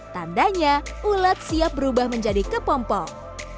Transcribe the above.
tandanya ulat siap berubah menjadi kepompok